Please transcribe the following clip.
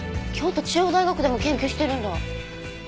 京都中央大学でも研究してるんだ。